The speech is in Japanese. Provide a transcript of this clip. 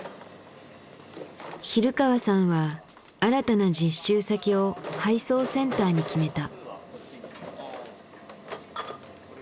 比留川さんは新たな実習先を配送センターに決めた。